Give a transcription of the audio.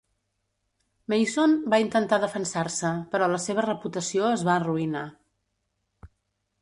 Mason va intentar defensar-se, però la seva reputació es va arruïnar.